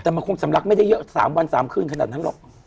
แต่มันคงสำลักไม่ได้เยอะ๓วัน๓คืนขนาดนั้นหรอก